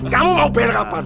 kamu mau bayar kapan